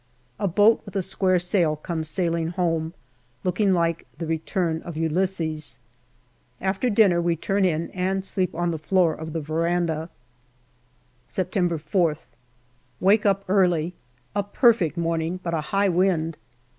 A boat with a square sail comes sailing home, looking like " the return of Ulysses." After dinner we turn in and sleep on the floor of the veranda. September 4>th. Wake up early. A perfect morning, but a high wind.